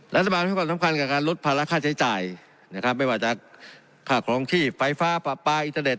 และสบายที่สำคัญกับการลดภาระค่าใช้จ่ายไม่ว่าจากค่าคล้องที่ไฟฟ้าปลาอินเทอร์เน็ต